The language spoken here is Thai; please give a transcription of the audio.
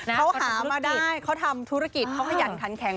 เขาหามาได้เขาทำธุรกิจเขาขยันขันแข็ง